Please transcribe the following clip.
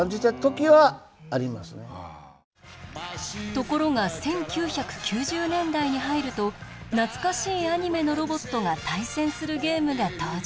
ところが１９９０年代に入ると懐かしいアニメのロボットが対戦するゲームが登場。